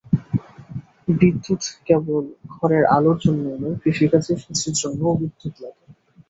বিদ্যুৎ কেবল ঘরের আলোর জন্যই নয়, কৃষিকাজে সেচের জন্যও বিদ্যুৎ লাগে।